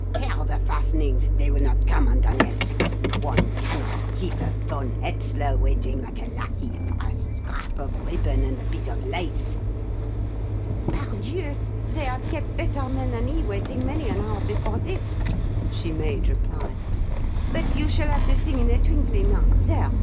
Tear the fastenings, if they will not come undone else. One cannot keep a von Hetzler waiting like a lackey for a scrap of ribbon and a bit of lace." "Pardieu! they have kept better men than he waiting many an hour before this," she made reply. "But you shall have the thing in a twinkling now. There!